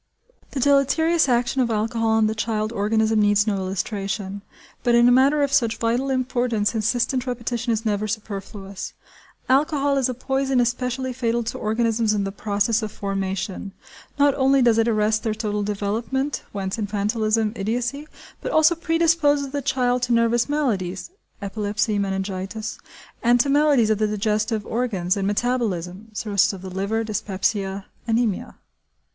The deleterious action of alcohol on the child organism needs no illustration, but in a matter of such vital importance insistent repetition is never superfluous. Alcohol is a poison especially fatal to organisms in the process of formation. Not only does it arrest their total development (whence infantilism, idiocy), but also pre disposes the child to nervous maladies (epilepsy, meningitis), and to maladies of the digestive organs, and metabolism (cirrhosis of the liver, dyspepsia, anæmia).